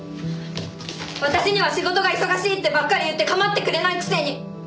私には仕事が忙しいってばっかり言って構ってくれないくせに！